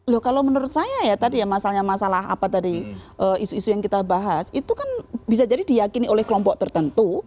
loh kalau menurut saya ya tadi ya masalahnya masalah masalah apa tadi isu isu yang kita bahas itu kan bisa jadi diyakini oleh kelompok tertentu